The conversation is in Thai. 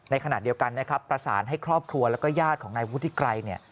ในขณะเดียวกันนะครับประสานให้ครอบครัวแล้วก็ญาติของนายวุฒิไกรเนี่ย